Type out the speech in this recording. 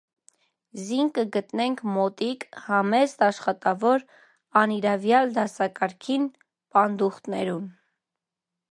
Զինք կը գտնենք մօտիկ՝ համեստ, աշխատաւոր, անիրաւեալ դասակարգին . պանդախտներուն։